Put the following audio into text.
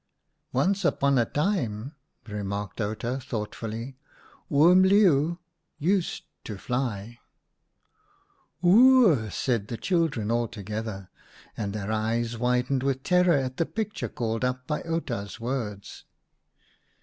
M Once upon a time," remarked Outa, thoughtfully, " Oom Leeuw used to fly." " O o o oh !" said the children all together, and their eyes widened with terror at the picture called up by Outa's words.